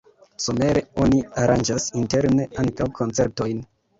Somere oni aranĝas interne ankaŭ koncertojn.